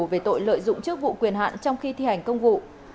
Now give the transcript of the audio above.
về tội lợi dụng chức vụ quyền hạn trong khi thi hành công vụ